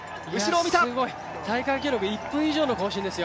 すごい、大会記録１分以上の更新です。